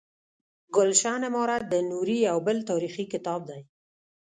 ګلشن امارت د نوري یو بل تاریخي کتاب دی.